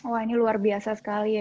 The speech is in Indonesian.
wah ini luar biasa sekali ya